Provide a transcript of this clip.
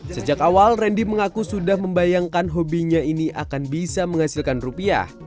sejak awal randy mengaku sudah membayangkan hobinya ini akan bisa menghasilkan rupiah